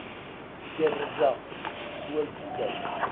Gerrzeɣ. Swal fell-ak.